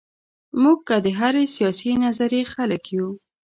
موږ که د هرې سیاسي نظریې خلک یو.